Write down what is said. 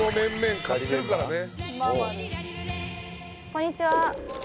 こんにちは。